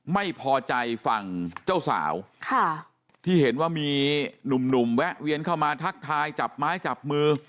ไม่พอใจฝั่งเจ้าสาวค่ะที่เห็นว่ามีหนุ่มแวะเวียนเข้ามาทักทายจับไม้จับมือ